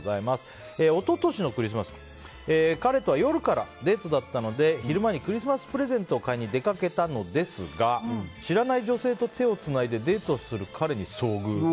一昨年のクリスマス彼とは夜からデートだったので昼間にクリスマスプレゼントを買いに出かけたのですが知らない女性と手をつないでデートする彼に遭遇。